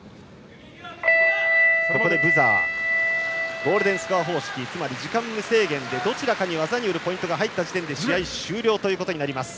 ゴールデンスコア方式つまり時間無制限でどちらかに技によるポイントが入った時点で試合終了となります。